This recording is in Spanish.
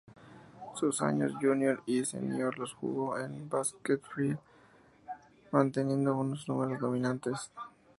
Sus años junior y senior los jugó en Bakersfield, manteniendo unos números dominantes.